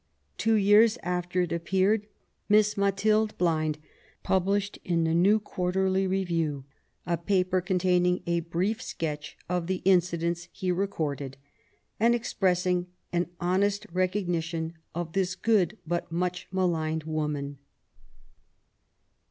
Two years after it appeared. Miss Mathilde Blind published, in the New Quarterly Review, a paper containing a brief sketch of the incidents he recorded, and expressing an honest recognition of this good but much maligned woman.